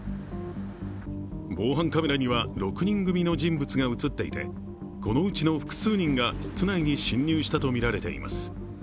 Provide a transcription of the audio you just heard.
防犯カメラには６人組の人物が映っていてこのうちの複数人が室内に侵入したとみられています。